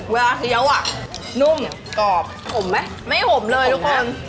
เวลาเสียวอะนุ่มกรอบอมไหมไม่อมเลยทุกคน